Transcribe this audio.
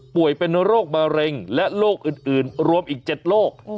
เป็นโรคมะเร็งและโรคอื่นรวมอีก๗โรค